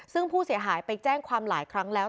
ซึ่งผู้เสียหายไปแจ้งความหลายครั้งแล้ว